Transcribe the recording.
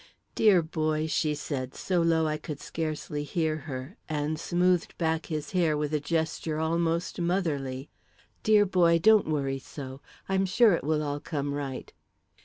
"Dear boy," she said, so low I could scarcely hear her, and smoothed back his hair with a gesture almost motherly, "dear boy, don't worry so. I'm sure it will all come right."